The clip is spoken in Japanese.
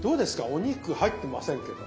お肉入ってませんけど。